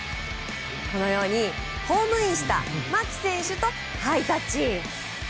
このように、ホームインした牧選手とハイタッチ。